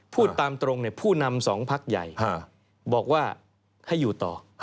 พูดตามตรงผู้นำสองพักใหญ่บอกว่าให้อยู่ต่อ